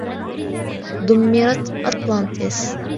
دُمِّرَتْ اطلانتس.